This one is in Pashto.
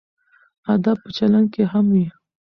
ادب په چلند کې هم وي.